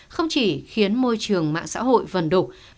không chỉ khiến môi trường mạng xã hội vần đục